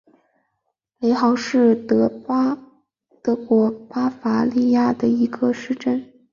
雷豪是德国巴伐利亚州的一个市镇。